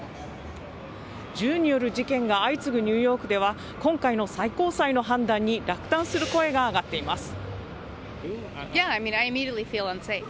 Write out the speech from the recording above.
銃による事件が相次ぐニューヨークでは今回の最高裁の判断に落胆する声が上がっています。